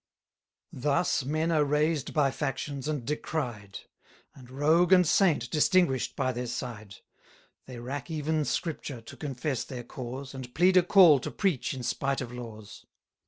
Thus men are raised by factions, and decried; And rogue and saint distinguish'd by their side. They rack even Scripture to confess their cause, And plead a call to preach in spite of laws.